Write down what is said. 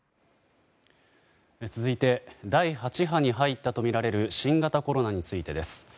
続いて第８波に入ったとみられる新型コロナについてです。